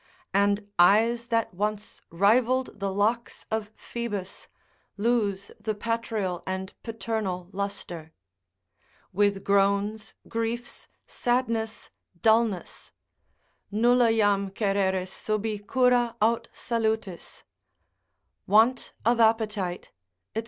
And eyes that once rivalled the locks of Phoebus, lose the patrial and paternal lustre. With groans, griefs, sadness, dullness, ———Nulla jam Cereris subi Cura aut salutis——— want of appetite, &c.